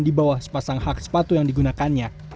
di bawah sepasang hak sepatu yang digunakannya